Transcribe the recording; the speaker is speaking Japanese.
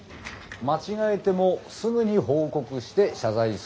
間違えてもすぐに報告して謝罪する。